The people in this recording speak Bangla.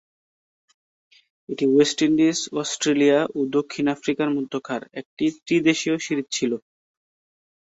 এটি ওয়েস্ট ইন্ডিজ, অস্ট্রেলিয়া ও দক্ষিণ আফ্রিকার মধ্যকার একটি ত্রিদেশীয় সিরিজ ছিল।